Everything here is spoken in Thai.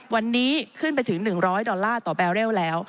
วันนี้ขึ้นไปถึง๑๐๐ดอลลาร์ต่อแบเรลแล้ว